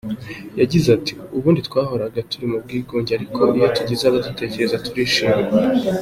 Yagize ati “Ubundi twahoraga turi mu bwigunge ariko iyo tugize abadutekereza turishima.